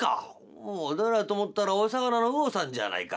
「おお誰かと思ったらお魚のうおさんじゃないか。